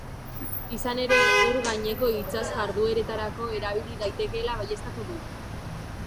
Izan ere, ur gaineko itsas-jardueretarako erabili daitekeela baieztatu du.